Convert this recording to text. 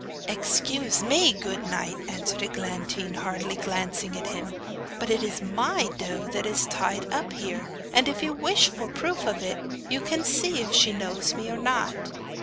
'Excuse me, good knight' answered Eglantine, hardly glancing at him, 'but it is MY doe that is tied up here! And if you wish for a proof of it, you can see if she knows me or not.